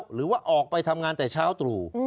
หรือว่าออกไปทำงานแต่เช้าตรู่